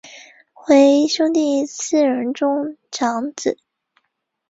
诺伊格尔恩斯多夫是德国图林根州的一个市镇。